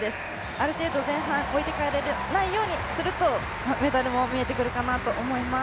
ある程度前半置いてかれないようにするとメダルも見えてくるかなと思います。